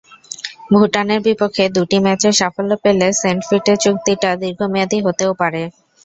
ভুটানের বিপক্ষে দুটি ম্যাচে সাফল্য পেলে সেন্টফিটের চুক্তিটা দীর্ঘমেয়াদি হতেও পারে।